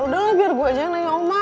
udah lah biar gue aja yang nanya oma